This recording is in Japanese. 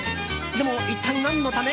でも、一体何のため？